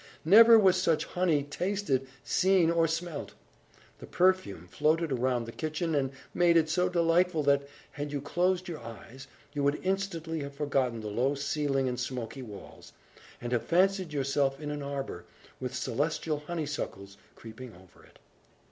Never was such honey tasted, seen, or smelt. The perfume floated around the kitchen, and made it so delightful, that, had you closed your eyes, you would instantly have forgotten the low ceiling and smoky walls, and have fancied yourself in an arbour, with celestial honeysuckles creeping over it.